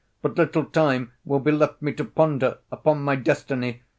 But little time will be left me to ponder upon my destiny!